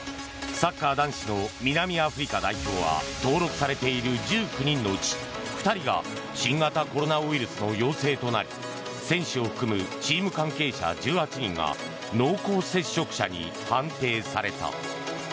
サッカー男子の南アフリカ代表は登録されている１９人のうち２人が新型コロナウイルスの陽性となり選手を含むチーム関係者１８人が濃厚接触者に判定された。